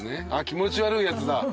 気持ち悪いやつだ。